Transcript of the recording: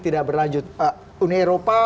tidak berlanjut uni eropa